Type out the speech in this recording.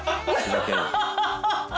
ハハハハハ！